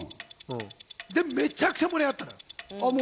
めちゃくちゃ盛り上がったのよ。